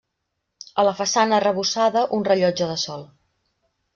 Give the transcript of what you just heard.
A la façana arrebossada, un rellotge de sol.